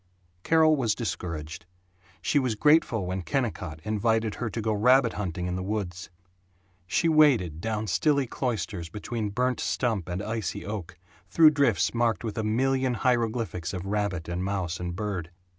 Carol was discouraged. She was grateful when Kennicott invited her to go rabbit hunting in the woods. She waded down stilly cloisters between burnt stump and icy oak, through drifts marked with a million hieroglyphics of rabbit and mouse and bird.